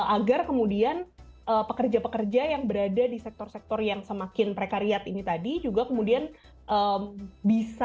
agar kemudian pekerja pekerja yang berada di sektor sektor yang semakin prekariat ini tadi juga kemudian bisa